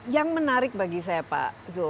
yang menarik bagi saya pak zul